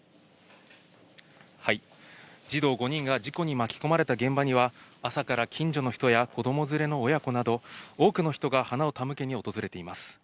児童５人が事故に巻き込まれた現場には、朝から近所の人や子ども連れの親子など、多くの人が花を手向けに訪れています。